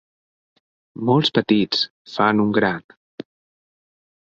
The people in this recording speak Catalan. Molts petits fan un gran